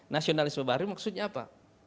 nasionalisme baru maksudnya apa